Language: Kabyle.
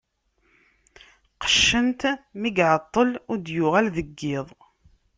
Qeccen-t mi iεeṭṭel ur d-yuɣal deg yiḍ.